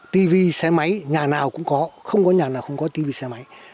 tv xe máy nhà nào cũng có không có nhà nào không có tv xe máy